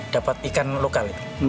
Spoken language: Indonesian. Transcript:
dapat ikan lokal itu